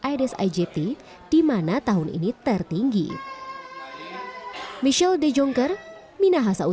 adres igt di mana tahun ini tertinggi